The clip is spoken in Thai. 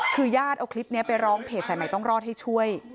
คือญาติเอาคลิปนี้ไปร้องเพจสายใหม่ต้องรอดให้ช่วย